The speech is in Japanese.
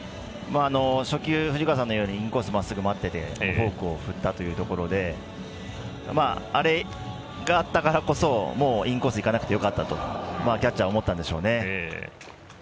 初球藤川さんのようにインコース待っててフォークを振ったということであれがあったからこそもうインコースいかなくてよかったとキャッチャーは思ったんでしょうね。